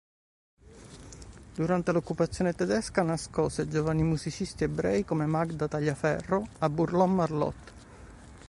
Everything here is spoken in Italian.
Durante l'occupazione tedesca, nascose giovani musicisti ebrei come Magda Tagliaferro a Bourron-Marlotte.